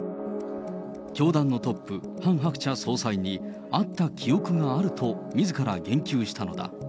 教団のトップ、ハン・ハクチャ総裁に会った記憶があると、みずから言及したのだ。